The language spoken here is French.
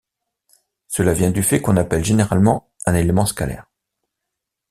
Cela vient du fait qu'on appelle généralement un élément scalaire.